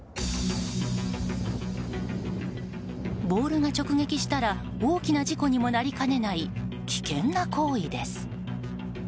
ボールが直撃したら大きな事故にもなりかねない危険な行為です。